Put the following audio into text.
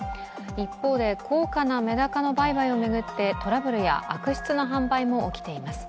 一方で、高価なメダカの売買を巡ってトラブルや悪質な販売も起きています。